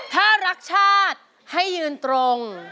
ถ้ารักชาติให้ยืนตรง